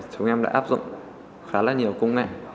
chúng em đã áp dụng khá là nhiều công nghệ